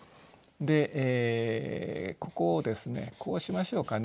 でここをですねこうしましょうかね。